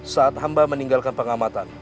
saat hamba meninggalkan pengamatan